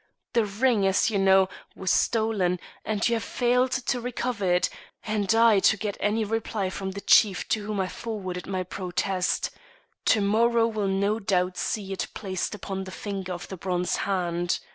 The ring, as you know, was stolen, and as you have failed to recover it, and I to get any reply from the chief to whom I forwarded my protest, to morrow will without doubt see it placed upon the finger of the bronze hand.